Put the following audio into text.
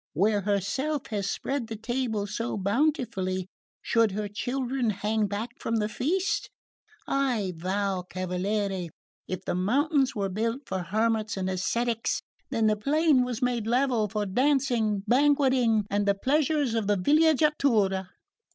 Where herself has spread the table so bountifully, should her children hang back from the feast? I vow, cavaliere, if the mountains were built for hermits and ascetics, then the plain was made level for dancing, banqueting and the pleasures of the villeggiatura.